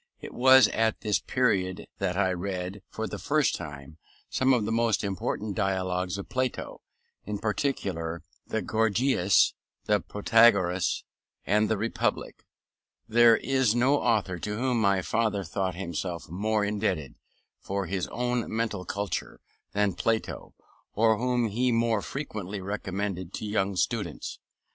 It was at this period that I read, for the first time, some of the most important dialogues of Plato, in particular the Gorgias, the Protagoras, and the Republic. There is no author to whom my father thought himself more indebted for his own mental culture, than Plato, or whom he more frequently recommended to young students.